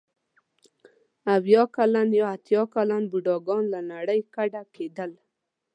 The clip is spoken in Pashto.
اوه کلن یا اتیا کلن بوډاګان له نړۍ کډه کېدل.